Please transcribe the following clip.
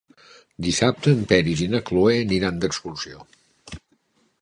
Dissabte en Peris i na Cloè aniran d'excursió.